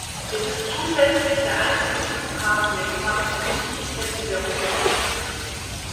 Es ist zusätzlich der einzige Flughafen der gesamten Inselkette der Oki-Inseln.